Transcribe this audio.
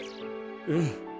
うん。